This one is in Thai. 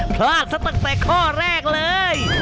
พลาดซะตั้งแต่ข้อแรกเลย